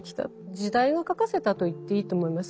時代が書かせたと言っていいと思います